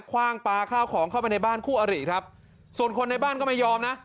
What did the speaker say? คว่างปลาข้าวของเข้าไปในบ้านคู่อริครับส่วนคนในบ้านก็ไม่ยอมนะ